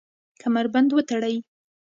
کمربند وتړئ